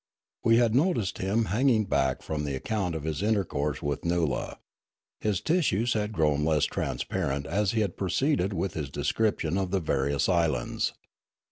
We had noticed him hanging back from the account of his intercourse with Noola. His tissues had grown less transparent as he had proceeded with his description of the various islands.